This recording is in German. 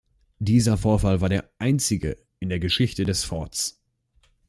Dieser Vorfall war der einzige in der Geschichte des Forts.